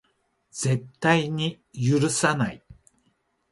絶対に許さない